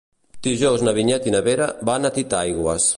Dijous na Vinyet i na Vera van a Titaigües.